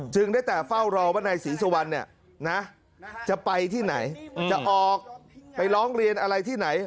ได้แต่เฝ้ารอว่านายศรีสุวรรณเนี่ยนะจะไปที่ไหนจะออกไปร้องเรียนอะไรที่ไหน